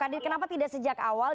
ya prof kadir kenapa tidak sejak awal